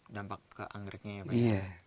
dampak keanggreknya ya pak